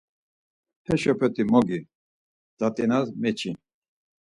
Haşopete mogi, sat̆inas meçi